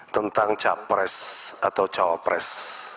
tentang capres atau cawapres